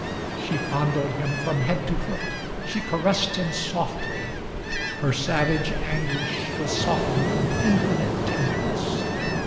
She fondled him from head to foot, she caressed him softly. Her savage anguish was softened to an infinite tenderness.